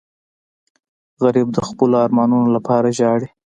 غریب د خپلو ارمانونو لپاره ژاړي